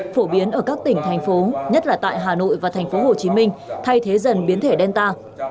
phổ biến ở các tỉnh thành phố nhất là tại hà nội và thành phố hồ chí minh thay thế dần biến thể delta